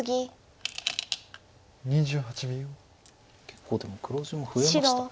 結構でも黒地も増えました。